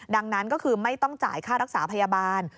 ดังนั้นก็คือไม่ต้องจ่ายค่ารักษาพยาบาล